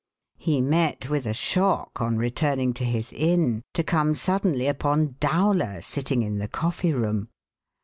He met with a shock, on returning to his inn, to come suddenly upon Dowler sitting in the coffee room.